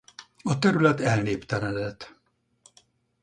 A terület elnéptelenedett.